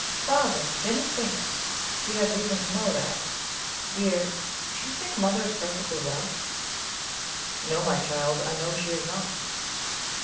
"Father Jennie thinks she has reason to know that dear, do you think Mother is perfectly well?" "No, my child; I know she is not."